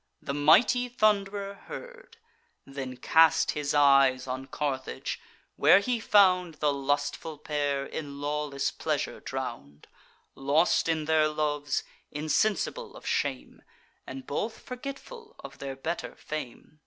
The mighty Thund'rer heard; Then cast his eyes on Carthage, where he found The lustful pair in lawless pleasure drown'd, Lost in their loves, insensible of shame, And both forgetful of their better fame.